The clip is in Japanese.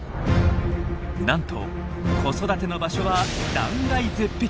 なんと子育ての場所は断崖絶壁。